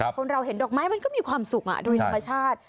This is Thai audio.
คนเราเห็นดอกไม้มันก็มีความสุขโดยธรรมชาติ